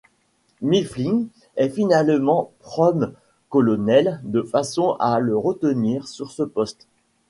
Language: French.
Mifflin est finalement prom colonel de façon à le retenir sur ce poste.